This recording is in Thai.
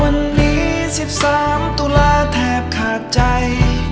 ทั้งนี้สิบสามตุลาแทบขาดใจ